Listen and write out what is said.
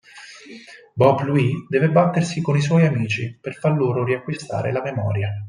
Bop-Louie deve battersi con i suoi amici per far loro riacquistare la memoria.